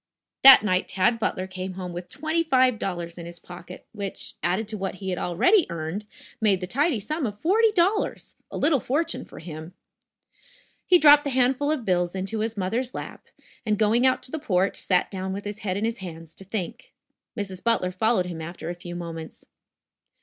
That night Tad Butler came home with twenty five dollars in his pocket, which, added to what he already had earned, made the tidy sum of forty dollars a little fortune for him. He dropped the handful of bills into his mother's lap, and, going out to the porch, sat down with his head in his hands, to think. Mrs. Butler followed him after a few moments.